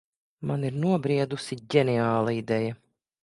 Man ir nobriedusi ģeniāla ideja.